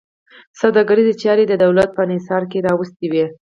سوداګریزې چارې د دولت په انحصار کې راوستې وې.